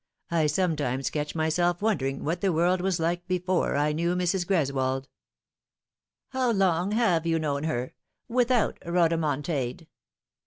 I sometimes catch myself wondering what the world was like before I knew Mrs. Greswold," " How long have you known her without rodomontade